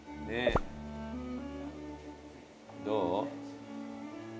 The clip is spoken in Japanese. どう？